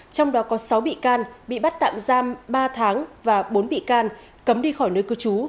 trong đó có sáu bị can bị bắt tạm giam ba tháng và bốn bị can cấm đi khỏi nơi cư trú